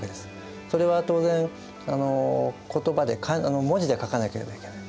それは当然言葉で文字で書かなければいけない。